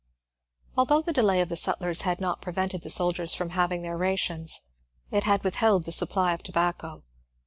Although the delay of the sutlers had not prevented the soldiers from having their rations, it had withheld the sup ply of tobacco.